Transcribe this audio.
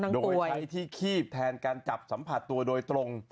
โดยใช้ที่คีบแทนการจับสัมผัสตัวโดยตรง